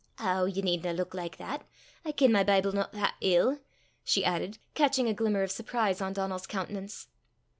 Ow! ye needna luik like that; I ken my Bible no that ill!" she added, catching a glimmer of surprise on Donal's countenance.